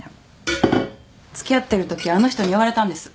付き合ってるときあの人に言われたんです。